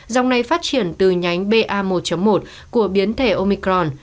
dòng này phát triển từ nhánh ba một của biến thể omicron